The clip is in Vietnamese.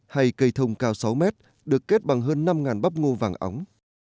hay cây thông cao sáu m được kết bằng hơn năm bắp ngô vàng ống